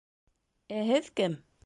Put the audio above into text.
Ә һеҙ кем?